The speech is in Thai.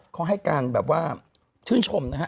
เขาให้การแบบว่าชื่นชมนะฮะ